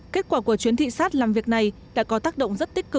kết quả của chuyến thị xát làm việc này đã có tác động rất nhiều